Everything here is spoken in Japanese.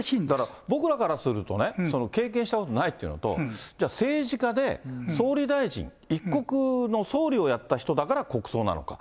ただ、僕らからすると、経験したことないっていうのと、じゃあ、政治家で総理大臣、一国の総理をやった人だから国葬なのか。